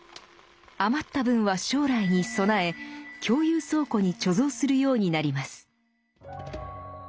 余った分は将来に備え共有倉庫に貯蔵するようになります。